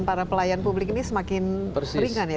para pelayan publik ini semakin ringan ya